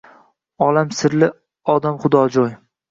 Olam sirli, odam xudojo’y.